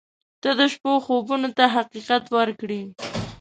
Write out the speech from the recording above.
• ته د شپو خوبونو ته حقیقت ورکړې.